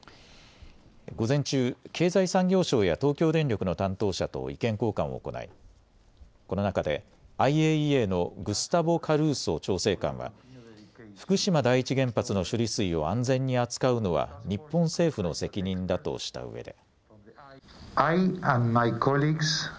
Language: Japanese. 午前中、経済産業省や東京電力の担当者と意見交換を行いこの中でＩＡＥＡのグスタボ・カルーソ調整官は福島第一原発の処理水を安全に扱うのは日本政府の責任だとしたうえで。